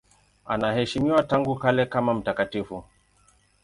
Anaheshimiwa tangu kale kama mtakatifu.